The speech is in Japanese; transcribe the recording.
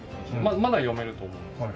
まだ読めると思いますけど。